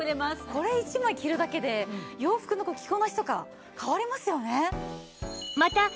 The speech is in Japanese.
これ１枚着るだけで洋服の着こなしとか変わりますよね。